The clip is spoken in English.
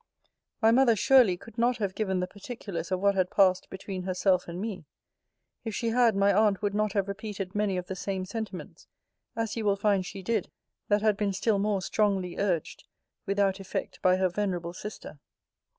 My mother, surely, could not have given the particulars of what had passed between herself and me: if she had, my aunt would not have repeated many of the same sentiments, as you will find she did, that had been still more strongly urged, without effect by her venerable sister.